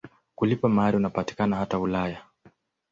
Kulipa mahari unapatikana hata Ulaya.